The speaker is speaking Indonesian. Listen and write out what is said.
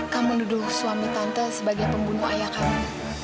kamu nuduh suami tante sebagai pembunuh ayah kamu